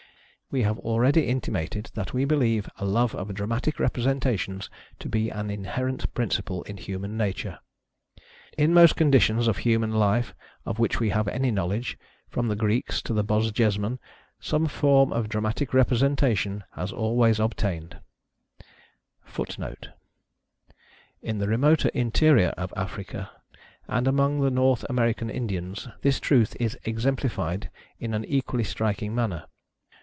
We have already intimated that we be lieve a love of dramatic representations to be an inherent principle in human nature. In most conditions of human life of which we have any knowledge, from the Greeks to the Bosjesmen, some form of dramatic representation has al ways obtained.' We have a vast respect for county magis ' In the remote interior of Africa, and among the North American Indians, this truth is exemplified in an equally striking manner.